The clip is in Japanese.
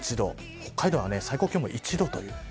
北海道は最高気温も１度という。